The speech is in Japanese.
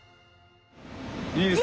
いいですね。